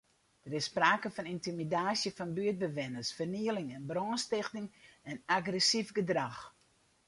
Der is sprake fan yntimidaasje fan buertbewenners, fernielingen, brânstichting en agressyf gedrach.